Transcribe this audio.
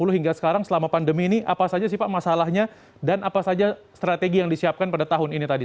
hingga sekarang selama pandemi ini apa saja sih pak masalahnya dan apa saja strategi yang disiapkan pada tahun ini tadi